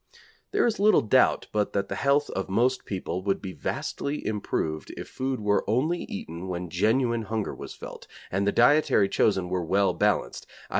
There is little doubt but that the health of most people would be vastly improved if food were only eaten when genuine hunger was felt, and the dietary chosen were well balanced, _i.